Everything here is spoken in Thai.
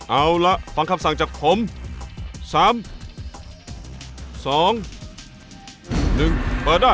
เอาละฟังคำสั่งจากผม๓๒๑เปิดได้